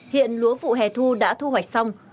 hiện lúa vụ hè thu đã thu hoạch xong